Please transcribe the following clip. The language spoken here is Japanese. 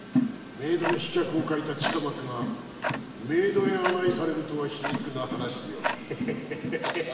『冥途の飛脚』を書いた近松が冥途へ案内されるとは皮肉な話よ。